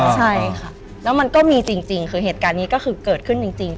ใช่ค่ะแล้วมันก็มีจริงคือเหตุการณ์นี้ก็คือเกิดขึ้นจริง